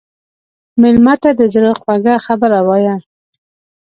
مېلمه ته د زړه خوږه خبره وایه.